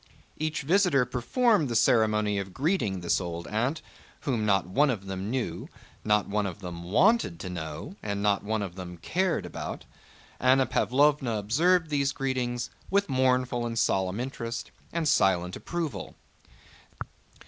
Each visitor performed the ceremony of greeting this old aunt whom not one of them knew, not one of them wanted to know, and not one of them cared about; Anna Pávlovna observed these greetings with mournful and solemn interest and silent approval.